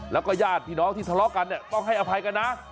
แล้วก็ญาติพี่น้องที่ทะเลาะกันเนี่ยต้องให้อภัยกันนะ